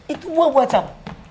itu buah buat siapa